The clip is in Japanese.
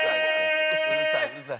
うるさいうるさい。